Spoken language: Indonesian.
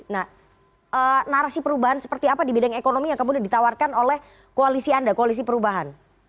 nah narasi perubahan seperti apa di bidang ekonomi yang kemudian ditawarkan oleh koalisi anda koalisi perubahan